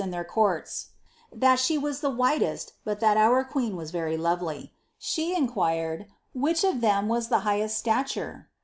in their courts ; thai she wag the whitest, but thai our queen was va lovely." She inquired "'which of them was ihe highest Htalure.'